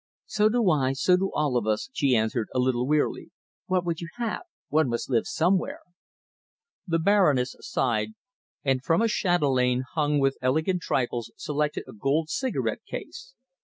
"So do I, so do all of us," she answered, a little wearily. "What would you have? One must live somewhere." The Baroness sighed, and from a chatelaine hung with elegant trifles selected a gold cigarette case.